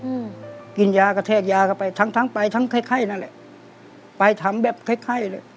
อืมกินยากระแทกยาเข้าไปทั้งทั้งไปทั้งไข้ไข้นั่นแหละไปทำแบบคล้ายไข้เลย